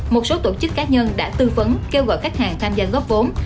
một số tổ chức cá nhân đã tư vấn kêu gọi khách hàng tham gia góp vốn